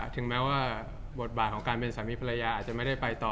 ถึงแม้ว่าบทบาทของการเป็นสามีภรรยาอาจจะไม่ได้ไปต่อ